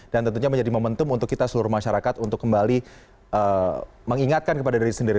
dan tentunya menjadi momentum untuk kita seluruh masyarakat untuk kembali mengingatkan kepada diri sendiri